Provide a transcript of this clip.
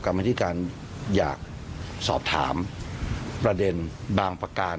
กรรมธิการอยากสอบถามประเด็นบางประการ